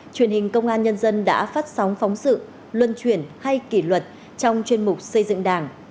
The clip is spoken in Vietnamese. truyền hình công an nhân dân đã phát sóng phóng sự luân chuyển hay kỷ luật trong chuyên mục xây dựng đảng